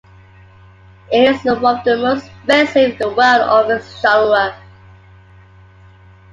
It is one of the most expensive in the world of its genre.